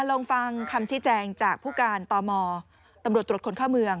ลองฟังคำชี้แจงจากผู้การตมตำรวจตรวจคนเข้าเมือง